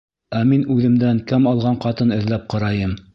Ә мин үҙемдән кәм алған ҡатын эҙләп ҡарайым.